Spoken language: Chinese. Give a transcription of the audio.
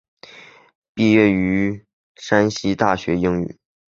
毕业于山西大学英语。